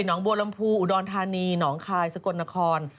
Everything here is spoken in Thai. งบัวลำพูอุดรธานีหนองคายสกลนคร